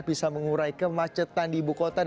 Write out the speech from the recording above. bisa mengurai kemacetan di ibukota